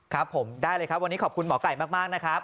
ครับผมได้เลยครับวันนี้ขอบคุณหมอไก่มากนะครับ